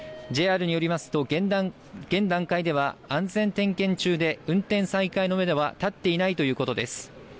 ＪＲによりますと、現段階では安全点検中で運転再開のメドは立っていないということです。